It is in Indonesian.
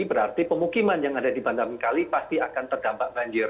berarti pemukiman yang ada di bandarming kali pasti akan terdampak banjir